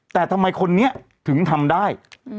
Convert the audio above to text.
แต่ทำไมคนนี้ถึงทำได้